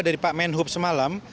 dari pak menhub semalam